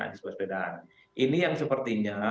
anis besbedaan ini yang sepertinya